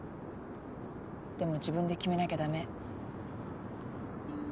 でも自分で決めなきゃダメ。